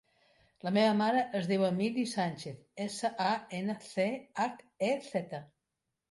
La meva mare es diu Emily Sanchez: essa, a, ena, ce, hac, e, zeta.